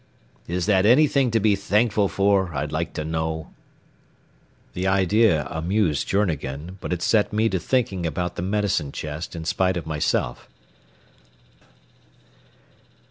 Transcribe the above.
Is that anything to be thankful for, I'd like to know." The idea amused Journegan, but it set me to thinking about the medicine chest in spite of myself.